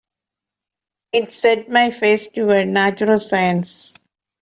It set my face towards natural science.